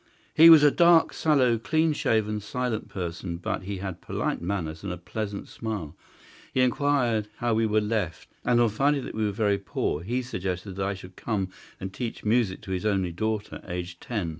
He was a dark, sallow, clean shaven, silent person; but he had polite manners and a pleasant smile. He inquired how we were left, and on finding that we were very poor he suggested that I should come and teach music to his only daughter, aged ten.